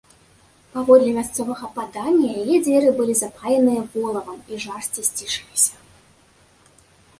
Паводле мясцовага падання, яе дзверы былі запаяныя волавам, і жарсці сцішыліся.